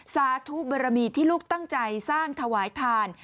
สาธุบรมีที่ลูกตั้งใจสร้างถวายทาน